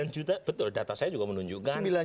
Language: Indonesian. delapan juta betul data saya juga menunjukkan